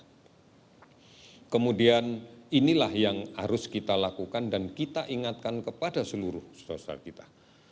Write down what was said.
nah kemudian inilah yang harus kita lakukan dan kita ingatkan kepada seluruh sosial kita